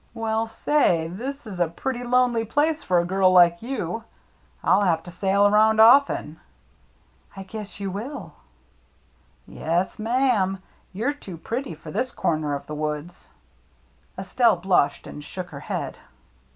" Well, say, this is a pretty lonely place for a girl like you. I'll have to sail around often." " I guess you will." " Yes, ma amy you're too pretty for this cor ner of the woods." Estelle blushed and shook her head.